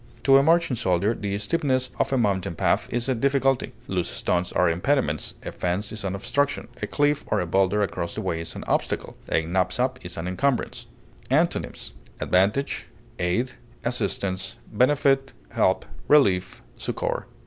To a marching soldier the steepness of a mountain path is a difficulty, loose stones are impediments, a fence is an obstruction, a cliff or a boulder across the way is an obstacle; a knapsack is an encumbrance. Antonyms: advantage, aid, assistance, benefit, help, relief, succor.